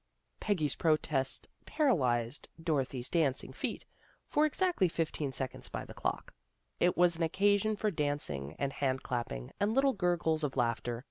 " Peggy's protest paralyzed Dorothy's dancing feet for exactly fifteen seconds by the clock. It was an occasion for dancing and hand clapping and little gurgles of laughter.